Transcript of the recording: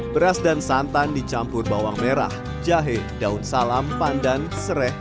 beras dan santan dicampur bawang merah jahe daun salam pandan serai